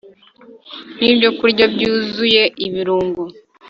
nibyokurya byuzuye ibirungo